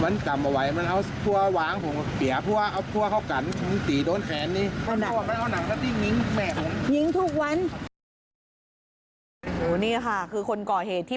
เดี๋ยวพ่อเค้ากันตีโดนแขนนี่